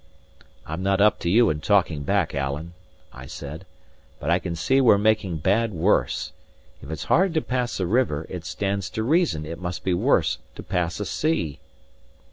"I'm not up to you in talking back, Alan," I said; "but I can see we're making bad worse. If it's hard to pass a river, it stands to reason it must be worse to pass a sea."